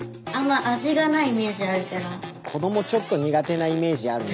子供ちょっと苦手なイメージあるよな。